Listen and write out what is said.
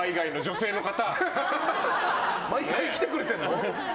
毎回来てくれてるの？